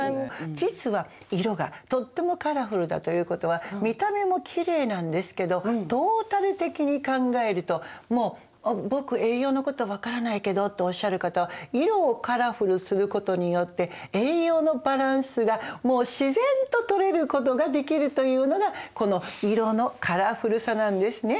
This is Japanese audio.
実は色がとってもカラフルだということは見た目もきれいなんですけどトータル的に考えるともう「僕栄養のこと分からないけど」っておっしゃる方は色をカラフルすることによって栄養のバランスがもう自然ととれることができるというのがこの色のカラフルさなんですね。